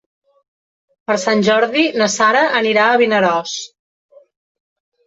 Per Sant Jordi na Sara anirà a Vinaròs.